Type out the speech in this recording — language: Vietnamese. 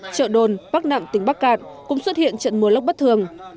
chợ đồn bắc nặng tỉnh bắc cạn cũng xuất hiện trận mưa lốc bất thường